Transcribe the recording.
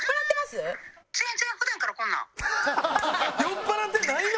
酔っ払ってないの？